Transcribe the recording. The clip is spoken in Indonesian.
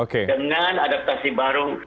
dengan adaptasi baru